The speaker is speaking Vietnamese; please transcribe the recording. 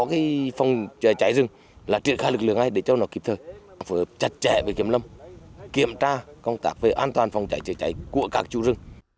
gây cháy rừng trên diện rộng bất cứ lúc nào